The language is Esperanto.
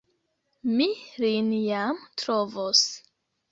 Mi lin jam trovos!